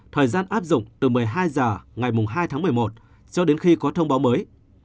thời gian áp dụng từ một mươi hai h ngày hai tháng một mươi một cho đến khi có thông báo mới